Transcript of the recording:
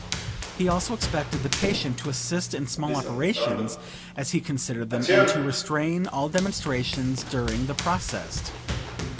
He also expected the patient to assist in small operations, as he considered them, and to restrain all demonstrations during the process.